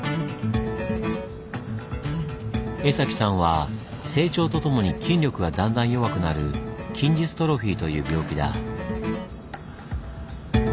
江崎さんは成長とともに筋力がだんだん弱くなる筋ジストロフィーという病気だ。